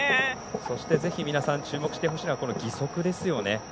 そしてぜひ皆さん注目してほしいのは義足ですね。